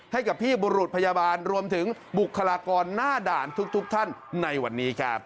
ให้กับพี่บุรุษพยาบาลรวมถึงบุคลากรหน้าด่านทุกท่านในวันนี้ครับ